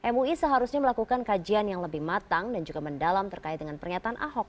mui seharusnya melakukan kajian yang lebih matang dan juga mendalam terkait dengan pernyataan ahok